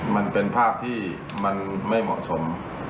มันเป็นภาพที่มันไม่เหมาะสม